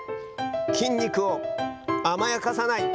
筋肉を甘やかさない。